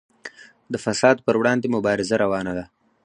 د فساد پر وړاندې مبارزه روانه ده